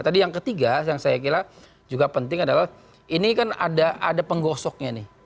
tadi yang ketiga yang saya kira juga penting adalah ini kan ada penggosoknya nih